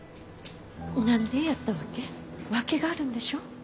何でやったわけ？訳があるんでしょ？